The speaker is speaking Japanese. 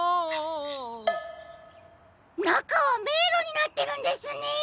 なかはめいろになってるんですね！